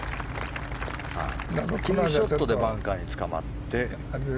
ティーショットでバンカーにつかまって。